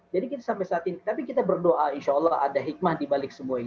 jadi kita sampai saat ini tapi kita berdoa insya allah ada hikmah dibalik semua ini